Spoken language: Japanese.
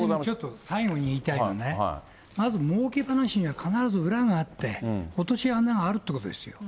私最後に言いたいのはね、まずもうけ話には必ず裏があって、落とし穴があるってことですよ。